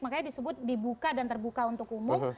makanya disebut dibuka dan terbuka untuk umum